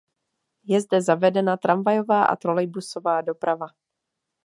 Je zde zavedena tramvajová a trolejbusová doprava.